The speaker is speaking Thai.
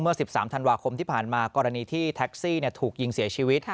๑๓ธันวาคมที่ผ่านมากรณีที่แท็กซี่ถูกยิงเสียชีวิต